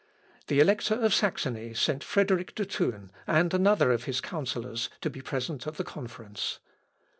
The Elector of Saxony sent Frederick De Thun, and another of his counsellors, to be present at the conference.